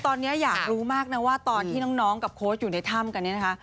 ตอนนี้อยากรู้มากนะว่าตอนที่น้องกับโค้ชอยู่ในถ้ำกันเนี่ยนะคะ